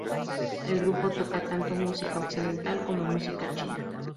El grupo toca tanto música occidental como música china.